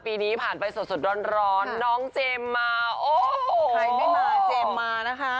ปีนี้ผ่านไปสดร้อนน้องเจมส์มาโอ้โหใครไม่มาเจมส์มานะคะ